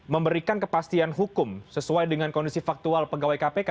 memberikan kepastian hukum sesuai dengan kondisi faktual pegawai kpk